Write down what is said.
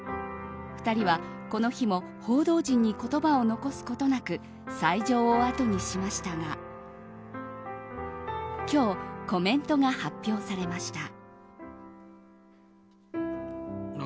２人はこの日も報道陣に言葉を残すことなく斎場をあとにしましたが今日、コメントが発表されました。